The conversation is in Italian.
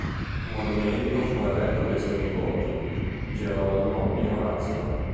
Un monumento fu eretto dai suoi nipoti, Gerolamo e Orazio.